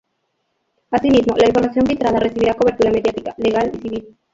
Asimismo, la información filtrada recibirá cobertura mediática, legal y civil.